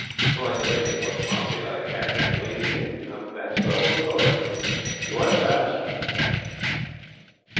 So I collected what property I had and waded in. That's the whole story. Do I pass?'